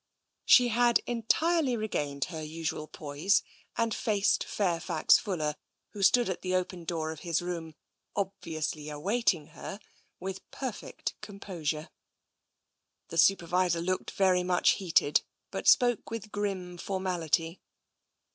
She had entirely regained her usual poise, and faced Fairfax Fuller, who stood at the open door of his room, obviously awaiting her, with perfect compo sure. €f i86 TENSION The Supervisor looked very much heated, but spoke with grim formality.